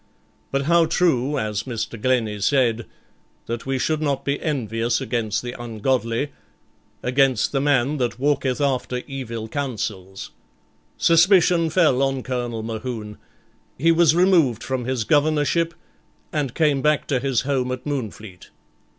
But how true, as Mr. Glennie said, that we should not be envious against the ungodly, against the man that walketh after evil counsels. Suspicion fell on Colonel Mohune; he was removed from his Governorship, and came back to his home at Moonfleet.